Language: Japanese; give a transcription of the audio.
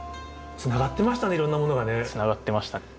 つながってましたね。